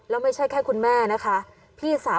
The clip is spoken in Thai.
เบื้องต้น๑๕๐๐๐และยังต้องมีค่าสับประโลยีอีกนะครับ